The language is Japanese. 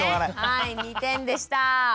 はい２点でした。